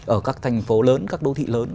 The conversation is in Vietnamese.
ở các thành phố lớn các đô thị lớn